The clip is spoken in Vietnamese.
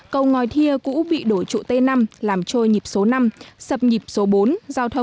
cầu ngòi thia cũ bị đổi trụ t năm làm trôi nhịp số năm